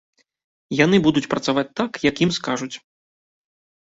Яны будуць працаваць так, як ім скажуць.